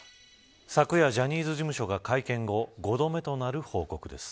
昨夜、ジャニーズ事務所が会見後、５度目となる報告です。